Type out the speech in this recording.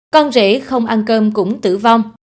con rể không ăn cơm cũng tử vong